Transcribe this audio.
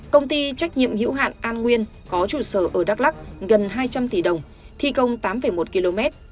công ty trách nhiệm hữu hạn an nguyên có trụ sở ở đắk lắc gần hai trăm linh tỷ đồng thi công tám một km